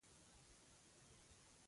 قلم له پوهې سره سفر کوي